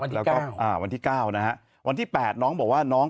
วันที่เก้าอ่าวันที่เก้านะฮะวันที่แปดน้องบอกว่าน้อง